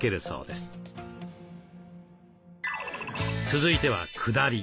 続いてはくだり。